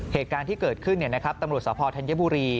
เหตุการณ์ที่เกิดขึ้นตำรวจสภธัญบุรี